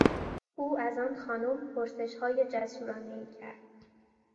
او از آن خانم پرسشهای جسورانهای کرد.